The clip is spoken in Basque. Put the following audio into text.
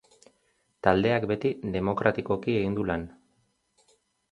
Taldeak beti demokratikoki egin du lan.